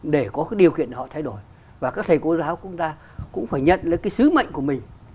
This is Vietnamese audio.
để có điều kiện để họ thay đổi và các thầy cô giáo của chúng ta cũng phải nhận được cái sứ mệnh của mình